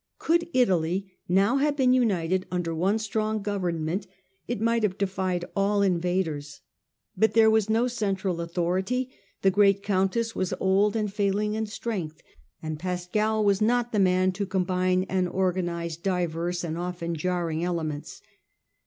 Could Italy now have been united under one strong government it might have defied all invaders. But there was no central authority ; the great countess was old and failing in strength, and Pascal was not the man to combine and organise diverse and often jarring elements.